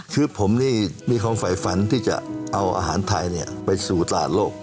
คือผมนี่มีความฝ่ายฝันที่จะเอาอาหารไทยไปสู่ตลาดโลก